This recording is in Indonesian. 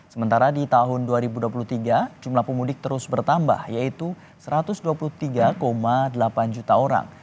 sementara di tahun dua ribu dua puluh tiga jumlah pemudik terus bertambah yaitu satu ratus dua puluh tiga delapan juta orang